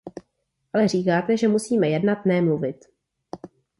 Ale říkáte, že musíme jednat, ne mluvit.